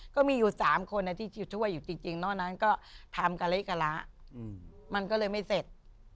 ก็มีอยู่๓คนที่ช่วยอยู่จริงนอกนั้นก็ทำกะเลกะละมันก็เลยไม่เสร็จ